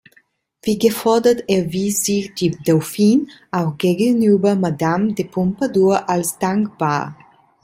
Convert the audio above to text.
Wie gefordert erwies sich die Dauphine auch gegenüber Madame de Pompadour als dankbar.